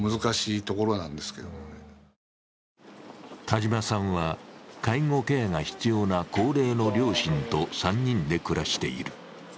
田島さんは介護ケアが必要な高齢の両親と３人で暮らしている。